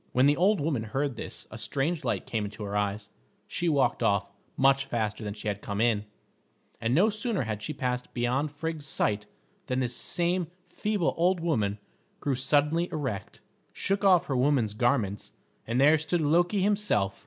When the old woman heard this a strange light came into her eyes; she walked off much faster than she had come in, and no sooner had she passed beyond Frigg's sight than this same feeble old woman grew suddenly erect, shook off her woman's garments, and there stood Loki himself.